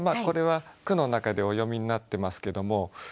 これは句の中でお詠みになってますけども。